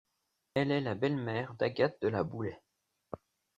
Elle est la belle-mère d'Agathe de La Boulaye.